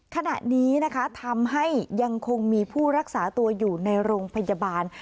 ขณะนี้นะคะทำให้ยังคงมีผู้รักษาตัวอยู่ในโรงพยาบาล